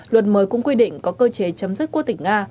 luật mới cũng quy định có cơ chế chấm dứt quốc tịch nga